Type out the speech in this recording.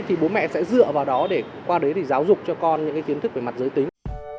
thì bố mẹ sẽ dựa vào đó để qua đấy thì giáo dục cho con những cái kiến thức về mặt giới tính